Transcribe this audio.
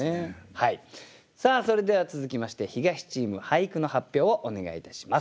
さあそれでは続きまして東チーム俳句の発表をお願いいたします。